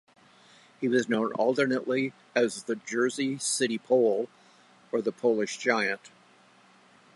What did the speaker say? He was known alternately as the Jersey City Pole or the Polish Giant.